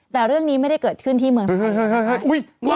แต่เรื่องนี้ไม่ได้เกิดขึ้นที่เมืองไทย